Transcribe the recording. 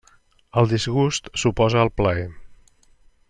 El disgust s'oposa al plaer.